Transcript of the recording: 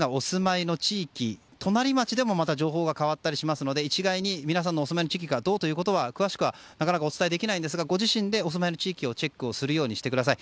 隣の地域でも情報が変わったりしますので一概に皆さんのお住まいの地域がどうとかは詳しくはお伝えできないですがご自身でお住まいの地域をチェックしてください。